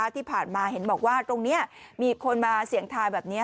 ที่ผ่านมาเห็นบอกว่าตรงนี้มีคนมาเสี่ยงทายแบบนี้